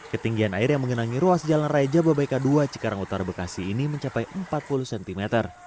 ketinggian air yang mengenangi ruas jalan raya jababeka dua cikarang utara bekasi ini mencapai empat puluh cm